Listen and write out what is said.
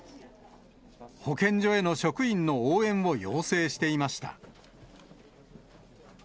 保健所への職員の応援を要請していました。